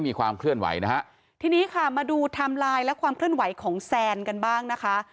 มีความเคลื่อนไหวนะฮะทีนี้ค่ะมาดูไทม์ไลน์และความเคลื่อนไหวของแซนกันบ้างนะคะ